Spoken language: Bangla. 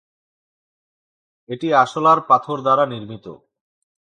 এটি আশলার পাথর দ্বারা নির্মিত।